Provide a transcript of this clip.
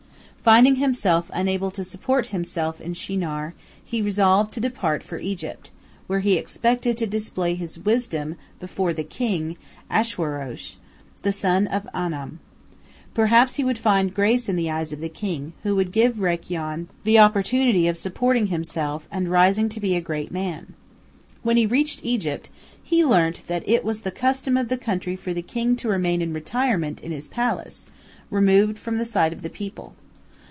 Finding himself unable to support himself in Shinar, he resolved to depart for Egypt, where he expected to display his wisdom before the king, Ashwerosh, the son of 'Anam. Perhaps he would find grace in the eyes of the king, who would give Rakyon the opportunity of supporting himself and rising to be a great man. When he reached Egypt, he learnt that it was the custom of the country for the king to remain in retirement in his palace, removed from the sight of the people.